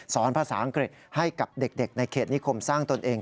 ภาษาอังกฤษให้กับเด็กในเขตนิคมสร้างตนเอง